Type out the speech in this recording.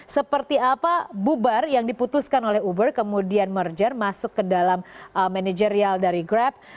seperti apa bubar yang diputuskan oleh uber kemudian merger masuk ke dalam manajerial dari grab